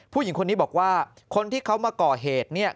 ผู้หญิงคนนี้บอกว่าคนที่เขามาก่อเหตุเนี่ย